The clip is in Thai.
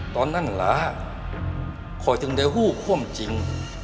ตอนนั้นเหรอคอยถึงได้หู้คว่ำจริง